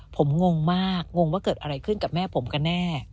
ผมงงมากงงว่าเกิดอะไรขึ้นกับแม่ผมกันแน่